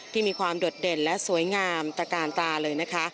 ที่มีความโดดเด่นและสวยงามตระกาลตาเลยนะคะ